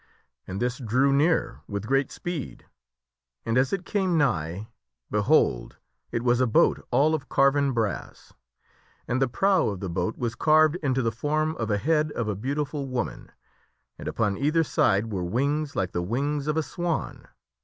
And this drew near with great speed, and as it came nigh, behold ! it was a boat all of carven brass. And the prow of the boat was carved into the form of a head of a beautiful woman, and upon either side were wings like the wings of a swan.